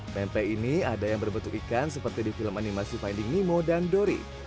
pempek ini ada yang berbentuk ikan seperti di film animasi finding nemo dan dori